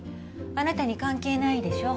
あなたに関係ないでしょ？